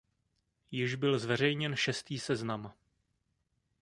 Již byl zveřejněn šestý seznam.